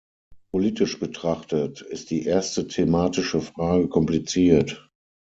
Politisch betrachtet, ist die erste thematische Frage kompliziert.